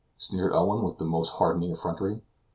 sneered Owen, with the most hardened effrontery.